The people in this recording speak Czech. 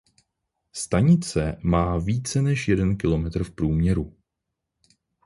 Stanice má více než jeden kilometr v průměru.